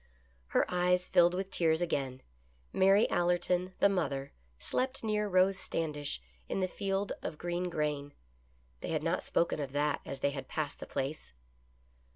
Her eyes filled with tears again. Mary Allerton, the mother, slept near Rose Standish in the field of green grain. They had not spoken of that as they had passed the place.